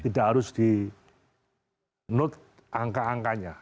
tidak harus di note angka angkanya